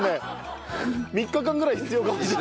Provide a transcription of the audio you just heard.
３日間ぐらい必要かもしれないですよね。